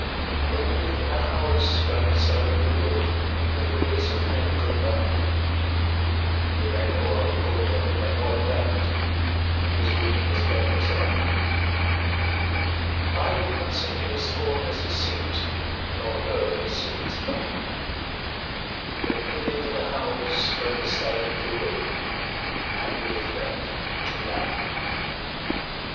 Let me live in a house by the side of the road Where the race of men go by The men who are good and the men who are bad, As good and as bad as I. I would not sit in the scorner's seat Nor hurl the cynic's ban Let me live in a house by the side of the road And be a friend to man.